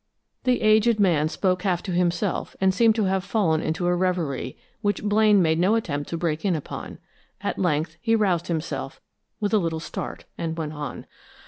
The aged man spoke half to himself and seemed to have fallen into a reverie, which Blaine made no attempt to break in upon. At length he roused himself with a little start, and went on.